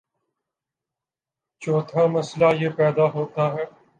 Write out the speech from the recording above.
چوتھا مسئلہ یہ پیدا ہوتا ہے